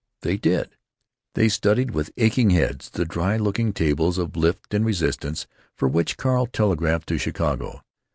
They did. They studied with aching heads the dry looking tables of lift and resistance for which Carl telegraphed to Chicago.